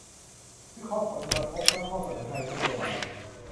วิเคราะห์ผลกระทบ และข้อเสนอทางนโยบาย